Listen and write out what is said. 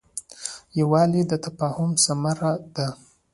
یووالی د تفاهم ثمره ده.